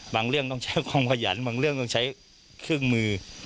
เรื่องต้องใช้ความขยันบางเรื่องต้องใช้เครื่องมือ